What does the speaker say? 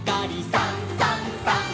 「さんさんさん」